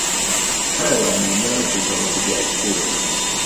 Ḥareɣ melmi ara k-ẓreɣ deg Iɛekkuren.